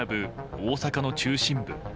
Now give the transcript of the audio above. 大阪の中心部。